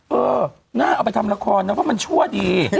เออน่าเอาไปทำละครนะเพราะมันชั่วดี